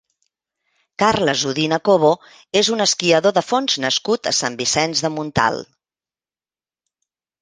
Carles Udina Cobo és un esquiador de fons nascut a Sant Vicenç de Montalt.